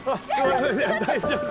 大丈夫。